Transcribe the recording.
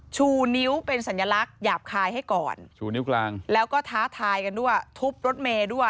ชูนิ้วเป็นสัญลักษณ์หยาบคายให้ก่อนชูนิ้วกลางแล้วก็ท้าทายกันด้วยทุบรถเมย์ด้วย